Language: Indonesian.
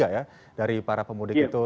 ya dari para pemudik itu